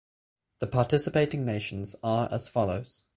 The participating nations are as follows.